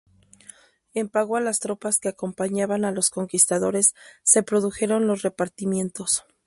En pago a las tropas que acompañaban a los conquistadores se produjeron los repartimientos.